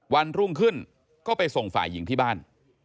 วันรุ่งขึ้นก็ไปส่งฝ่ายหญิงที่บ้าน